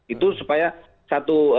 itu supaya satu